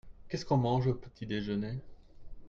Qu'est-ce qu'on mange au petit-déjeuner ?